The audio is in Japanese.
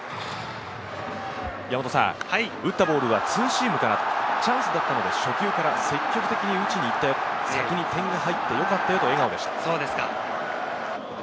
打ったボールはツーシームかな、チャンスだったので初球から積極的に打ちにいって、先に点が入ってよかったよと振り返っています。